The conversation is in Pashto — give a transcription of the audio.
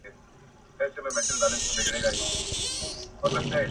د سترگو کسي چي دي سره په دې لوگيو نه سي’